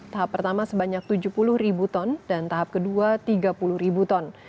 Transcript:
tahap pertama sebanyak tujuh puluh ribu ton dan tahap kedua tiga puluh ribu ton